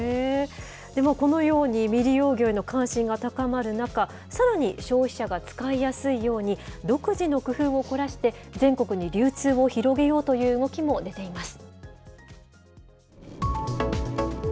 でも、このように未利用魚への関心が高まる中、さらに消費者が使いやすいように、独自の工夫を凝らして、全国に流通を広げようという動きも出ています。